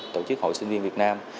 tổ chức hội sinh viên việt nam